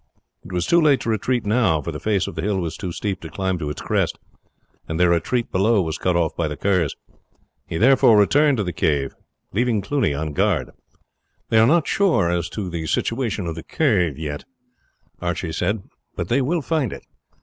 It was too late to retreat now, for the face of the hill was too steep to climb to its crest, and their retreat below was cut off by the Kerrs. He therefore returned to the cave, leaving Cluny on guard. "They are not sure as to the situation of the cave yet," he said, "but they will find it.